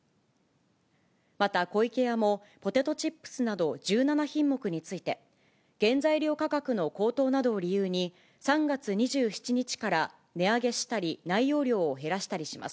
また湖池屋も、ポテトチップスなど１７品目について、原材料価格の高騰などを理由に、３月２７日から値上げしたり、内容量を減らしたりします。